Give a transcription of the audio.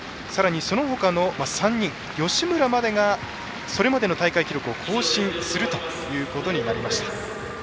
そのほかの３人吉村までがそれまでの大会記録を更新するということになりました。